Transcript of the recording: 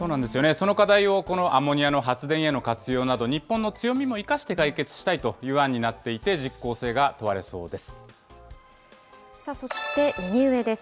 その課題をこのアンモニアの発電への活用など、日本の強みを生かして解決したいという案になっていて、実効性が問われそうです。